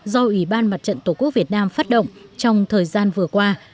do ủy ban mặt trận tổ quốc việt nam phát động trong thời gian vừa qua